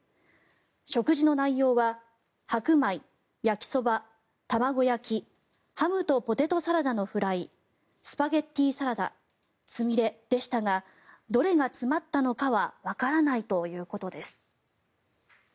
食事の内容は白米、焼きそば、玉子焼きハムとポテトサラダのフライスパゲティサラダつみれでしたがどれが詰まったのかはわからないということです。